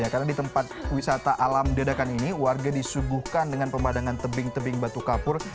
karena di tempat wisata alam dadakan ini warga disuguhkan dengan pemandangan tebing tebing batu kapur